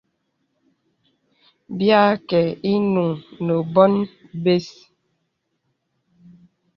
Bìa àkə īnuŋ nə bòn bə̀s.